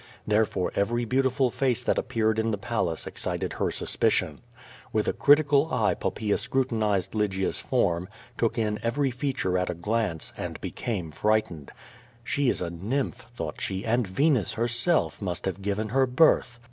Therefore every beautiful face that appeared in the palace excited her suspicion. With a critical eye Poppaea scrutinized Ljrgia's form, took in every feature at a glance, and became fright ened. She is a nymph, thought she, and Venus, herself, must have given her birth.